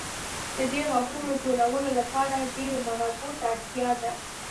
د دې غاښونو ټولولو لپاره ډېرو منابعو ته اړتیا ده.